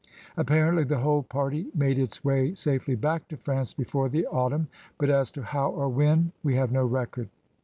Appar ently the whole party made its way safely back to France before the autumn, but as to how or when we have no record.